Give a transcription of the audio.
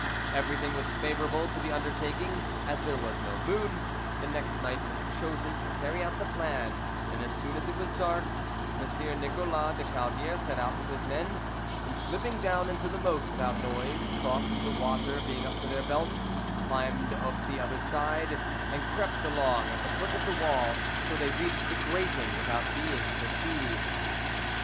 Everything was favourable to the undertaking: as there was no moon, the next night was chosen to carry out the plan, and as soon as it was dark Messire Nicolas de Calviere set out with his men, who, slipping down into the moat without noise, crossed, the water being up to their belts, climbed up the other side, and crept along at the foot of the wall till they reached the grating without being perceived.